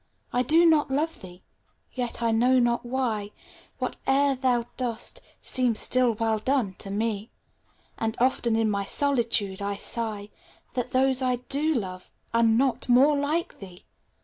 I do not love thee ! ŌĆö yet, I know not why, Whate'er thou dost seems still well done, to me: And often in my solitude I sigh That those I do love are not more like thee